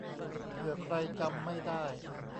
เผื่อใครจำไม่ได้